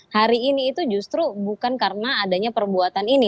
hari ini itu justru bukan karena adanya perbuatan ini